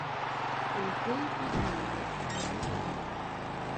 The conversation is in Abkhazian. Еиҭеиҳәеит уи.